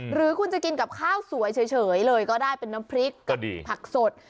หรือคุณจะกินกับข้าวสวยเฉยเลยก็ได้เป็นน้ำพริกก็ดีผักสด